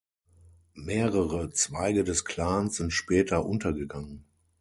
Mehrere Zweige des Clans sind später untergegangen.